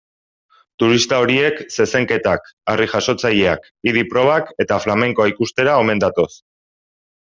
Turista horiek zezenketak, harri-jasotzaileak, idi-probak eta flamenkoa ikustera omen datoz.